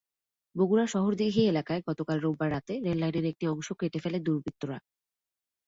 বগুড়ার শহরদীঘি এলাকায় গতকাল রোববার রাতে রেললাইনের একটি অংশ কেটে ফেলে দুর্বৃত্তরা।